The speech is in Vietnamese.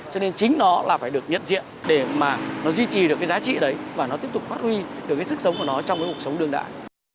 cho nên chính nó là phải được nhận diện để mà nó duy trì được cái giá trị đấy và nó tiếp tục phát huy được cái sức sống của nó trong cái cuộc sống đương đại